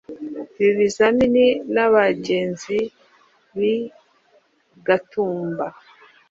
Ibi bizanwa n’abagenzi bi gatumba